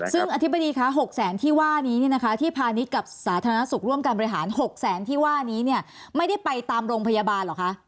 ซึ่งอธิบดีคะ๖แสนที่ว่านี้ที่พาณิชย์กับสาธารณสุขร่วมการบริหาร๖แสนที่ว่านี้ไม่ได้ไปตามโรงพยาบาลเหรอคะ